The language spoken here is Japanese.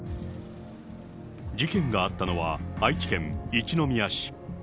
事件があったのは、愛知県一宮市。